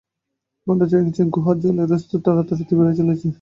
ঘণ্টায় ছয় ইঞ্চি করে গুহায় জলের স্তর রাতারাতি বেড়েই চলেছে।